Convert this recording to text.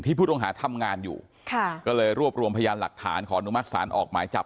ผู้ต้องหาทำงานอยู่ค่ะก็เลยรวบรวมพยานหลักฐานขออนุมัติศาลออกหมายจับ